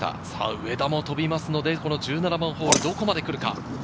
上田も飛びますので、１７番ホール、どこまでくるか？